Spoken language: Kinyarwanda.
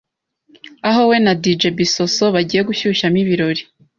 aho we na dj bisosso bagiye gushyushyamo ibirori